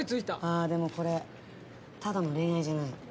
あでもこれただの恋愛じゃない。